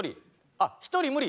あっ１人無理？